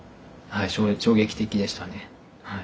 衝撃的でしたね。